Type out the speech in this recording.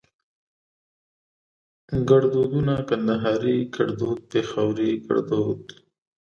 ګړدودونه کندهاري ګړدود پېښوري ګړدود